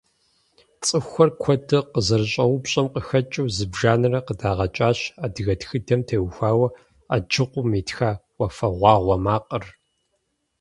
ЦӀыхухэр куэду къызэрыщӀэупщӀэм къыхэкӀыу зыбжанэрэ къыдагъэкӀащ адыгэ тхыдэм теухуауэ Аджыкъум итха «Уафэгъуагъуэ макъыр».